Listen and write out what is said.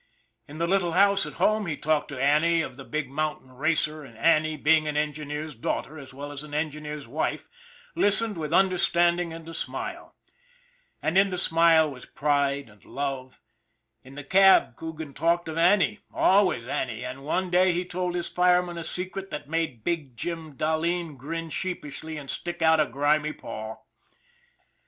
In the little house at home he talked to Annie of the big mountain racer and Annie, being an engineer's daughter as well as an en gineer's wife, listened with understanding and a smile, and in the smile was pride and love ; in the cab Coogan talked of Annie, always Annie, and one day he told his fireman a secret that made big Jim Dahleen grin sheep ishly and stick out a grimy paw.